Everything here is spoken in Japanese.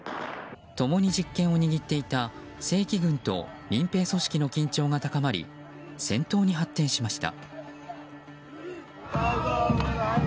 共に実権を握っていた正規軍と民兵組織の緊張が高まり戦闘に発展しました。